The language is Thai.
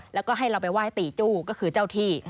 แล้วก็ให้เราไปไหว้ตีจู้ก็คือเจ้าที่